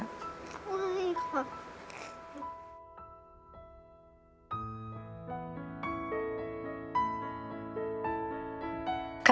ไม่ค่ะ